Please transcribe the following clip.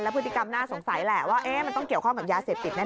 พฤติกรรมน่าสงสัยแหละว่ามันต้องเกี่ยวข้องกับยาเสพติดแน่